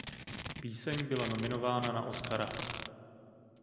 Píseň byla nominována na Oscara.